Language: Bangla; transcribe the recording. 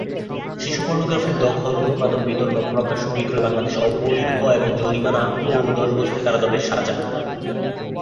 শিশু পর্নোগ্রাফির দখল, উৎপাদন, বিতরণ ও প্রকাশ্য বিক্রয় বাংলাদেশে অবৈধ এবং জরিমানা ও দশ বছরের কারাদণ্ডের সাজা।